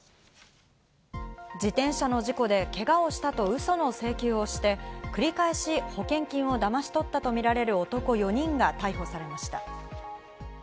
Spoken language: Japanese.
自転車の事故でけがをしたとウソの請求をして、繰り返し保険金をだまし取ったとみられる男４人が逮捕されました。